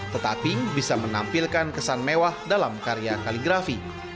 tetapi bisa menampilkan kesan mewah dalam karya kaligrafi